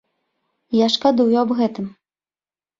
Я шкадую аб гэтым.